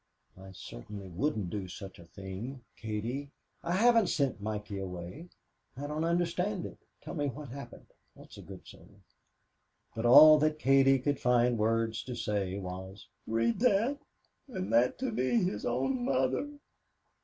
"I certainly wouldn't do such a thing, Katie. I haven't sent Mikey away. I don't understand it. Tell me what's happened that's a good soul." But all that Katie could find words to say was: "Read that and that to me, his own mother."